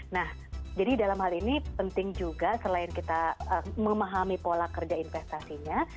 nah jadi dalam hal ini penting juga selain kita memahami pola kerja investasinya